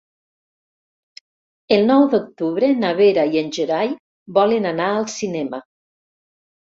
El nou d'octubre na Vera i en Gerai volen anar al cinema.